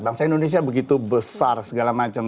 bangsa indonesia begitu besar segala macam